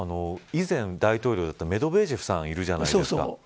以前、大統領メドベージェフさんがいるじゃないですか。